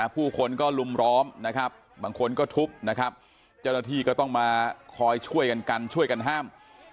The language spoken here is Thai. ผู้คนก็ลุมล้อมนะครับบางคนก็ทุบนะครับเจ้าหน้าที่ก็ต้องมาคอยช่วยกันกันช่วยกันห้าม